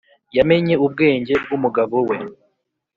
yamenye ubwenge bwumugabo we.